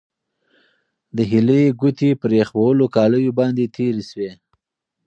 د هیلې ګوتې پر یخ وهلو کالیو باندې تېرې شوې.